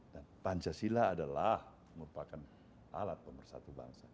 dan pancasila adalah merupakan alat pemersatu bangsa